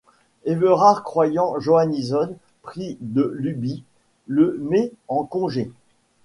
Everard croyant Johannison pris de lubies, le met en congé.